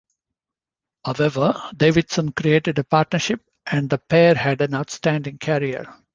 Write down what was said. However, Davidson created a partnership and the pair had an outstanding career.